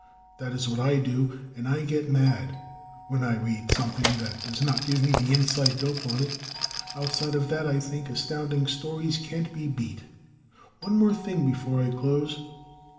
That is what I do, and I get mad when I read something that does not give me the inside dope on it. Outside of that I think Astounding Stories can't be beat. One more thing before I close.